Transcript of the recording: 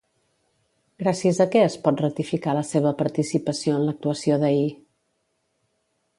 Gràcies a què es pot ratificar la seva participació en l'actuació d'ahir?